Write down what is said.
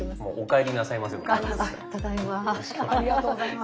ありがとうございます。